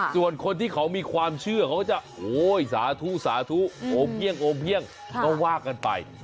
ส่วนคนที่เขามีความเชื่อเขาก็จะโอ๊ยสทุโอเพี่ยงก็วากกันไป